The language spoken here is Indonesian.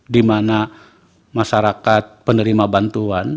di mana masyarakat penerima bantuan